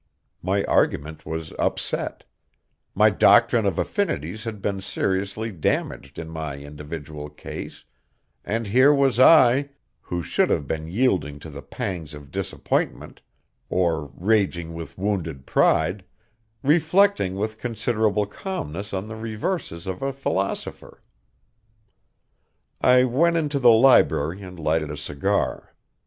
My argument was upset, my doctrine of affinities had been seriously damaged in my individual case, and here was I, who should have been yielding to the pangs of disappointment, or raging with wounded pride, reflecting with considerable calmness on the reverses of a philosopher. I went into the library and lighted a cigar.